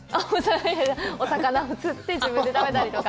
いやいや、お魚を釣って自分で食べたりとか。